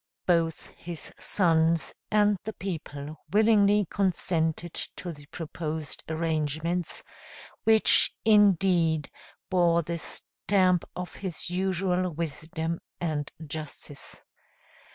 Both his sons and the people willingly consented to the proposed arrangements, which, indeed, bore the stamp of his usual wisdom and justice.